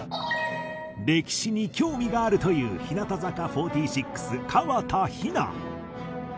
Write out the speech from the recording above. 歴史に興味があるという日向坂４６河田陽菜